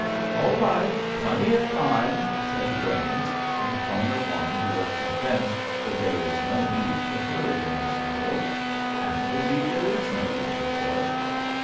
"All right. Plenty of time!" said Brains in the tone of one who was convinced that there is no need for hurry in this world and indeed there is no reason for it.